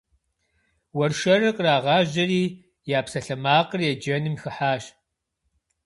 Уэршэрыр кърагъажьэри, я псалъэмакъыр еджэным хыхьащ.